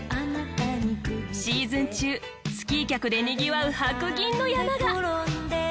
シーズン中スキー客でにぎわう白銀の山が！